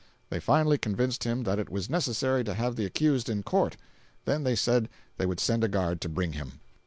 They finally convinced him that it was necessary to have the accused in court. Then they said they would send a guard to bring him.